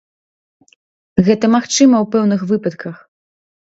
Гэта магчыма ў пэўных выпадках!